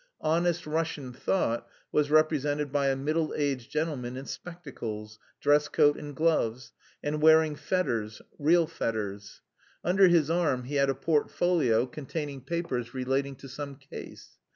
"Honest Russian thought" was represented by a middle aged gentleman in spectacles, dress coat and gloves, and wearing fetters (real fetters). Under his arm he had a portfolio containing papers relating to some "case."